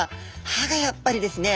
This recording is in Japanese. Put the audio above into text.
歯がやっぱりですね。